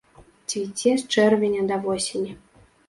Цвіце з чэрвеня да восені.